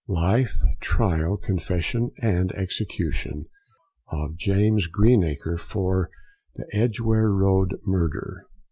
LIFE, TRIAL, CONFESSION, & EXECUTION OF JAMES GREENACRE, FOR THE EDGEWARE ROAD MURDER.